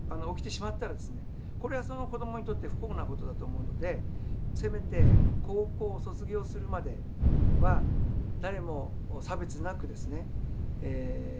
これはその子どもにとって不幸なことだと思うのでせめて高校卒業するまでは誰も差別なくですね